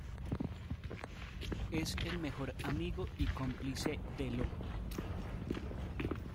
Es el mejor amigo y cómplice de Io.